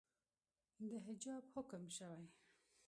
د حجاب حکم شوئ